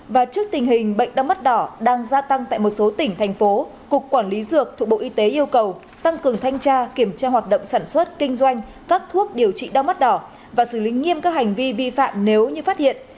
và trước tình hình bệnh đau mắt đỏ đang gia tăng tại một số tỉnh thành phố cục quản lý dược thuộc bộ y tế yêu cầu tăng cường thanh tra kiểm tra hoạt động sản xuất kinh doanh các thuốc điều trị đau mắt đỏ và xử lý nghiêm các hành vi vi phạm nếu như phát hiện